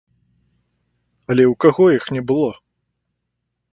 Але ў каго іх не было?